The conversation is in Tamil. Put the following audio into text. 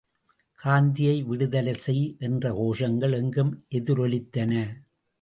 காந்தியை விடுதலை செய் என்ற கோஷங்கள் எங்கும் எதிரொலித்தன.